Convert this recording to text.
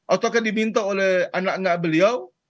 ataukah diminta oleh anak anak beliau